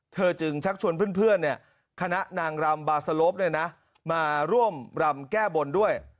เธอจึงชักชวนเพื่อนคณะนางรำบาสลบมาร่วมรำแก้บนด้วย